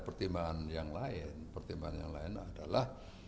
pemerintah yang efektif itu akan sebanyak mungkin teman